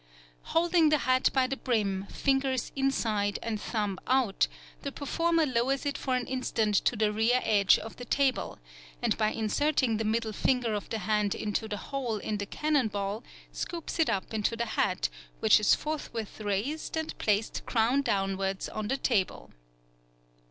Holding the hat by the brim, fingers inside and thumb out, the performer lowers it for an instant to the rear edge of the table, and by inserting the middle finger of the hand into the hole in the cannon ball scoops it up into the hat, which is forthwith raised and placed crown downwards on the table.